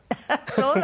そうなの？